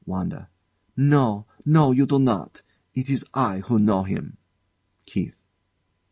WANDA. No, no, you do not. It is I who know him. KEITH.